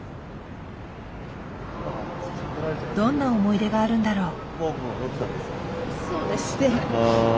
どんな思い出があるんだろう。